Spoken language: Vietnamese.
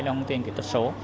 đồng tiền kỹ thuật số